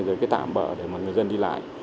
rồi tạm bỡ để mọi người dân đi lại